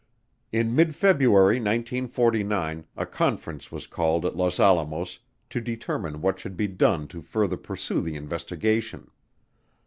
In mid February 1949 a conference was called at Los Alamos to determine what should be done to further pursue the investigation.